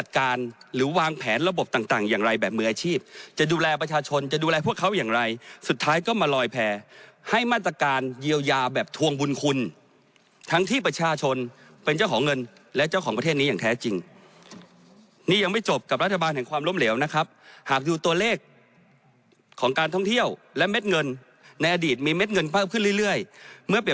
การหรือวางแผนระบบต่างอย่างไรแบบมืออาชีพจะดูแลประชาชนจะดูแลพวกเขาอย่างไรสุดท้ายก็มาลอยแพรให้มาตรการเยียวยาแบบทวงบุญคุณทั้งที่ประชาชนเป็นเจ้าของเงินและเจ้าของประเทศนี้อย่างแท้จริงนี่ยังไม่จบกับรัฐบาลแห่งความล้มเหลวนะครับหากดูตัวเลขของการท่องเที่ยวและเม็ดเงินในอดีตมีเม็ดเงินเพิ่มขึ้นเรื่อยเมื่อเปลี่ยน